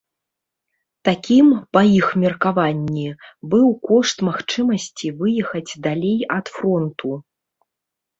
Такім, па іх меркаванні, быў кошт магчымасці выехаць далей ад фронту.